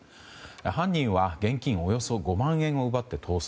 犯人は現金およそ５万円を奪って逃走。